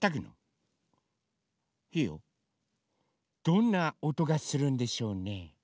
どんなおとがするんでしょうね？